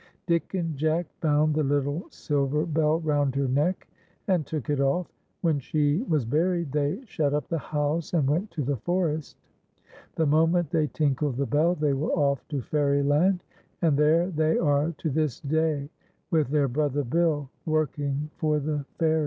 Dick and Jack found the little silver bell round her neck and took it off. When she was buried they shut up the house and went to the forest. The moment the\' tinkled the bell they were off tw Fairyland, and there they are to this day with their brother Bill working for the fairies.